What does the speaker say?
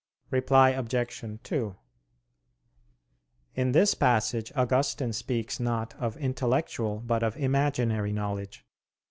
Reply Obj. 2: In this passage Augustine speaks not of intellectual but of imaginary knowledge.